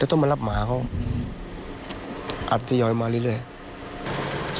แล้วต้องมารับหมาเขาอาจจะย้อยมานิดหนึ่งเลย